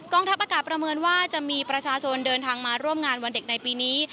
ทัพอากาศประเมินว่าจะมีประชาชนเดินทางมาร่วมงานวันเด็กในปีนี้